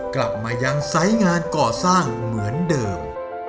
กลับมายังไซส์งานก่อสร้างเหมือนเดิม